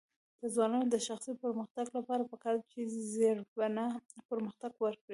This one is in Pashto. د ځوانانو د شخصي پرمختګ لپاره پکار ده چې زیربنا پرمختګ ورکړي.